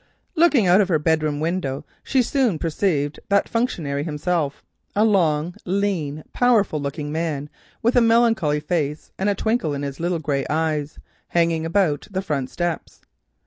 Looking out of her bedroom window, she soon perceived that functionary himself, a long, lean, powerful looking man with a melancholy face and a twinkle in his little grey eyes, hanging about the front steps.